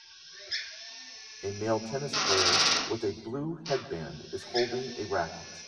a male tennis player with a blue headband is holding a racquet